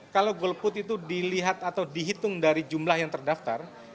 kalau golput itu dilihat atau dihitung dari jumlah yang terdaftar